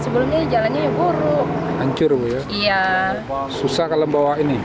kita mengakses antara anak sekolah